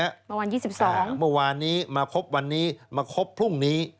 เมื่อวาน๒๒เมื่อวานนี้มาครบวันนี้มาครบพรุ่งนี้